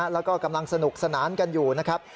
แล้วก็กำลังสนุกสนานกันอยู่นะครับ